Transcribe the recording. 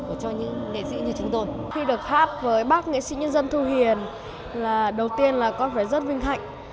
khi được hát với bác nghệ sĩ nhân dân thu hiền là đầu tiên là có vẻ rất vinh hạnh